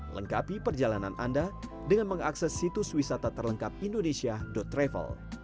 lengkapi perjalanan anda dengan mengakses situs wisata terlengkap indonesia travel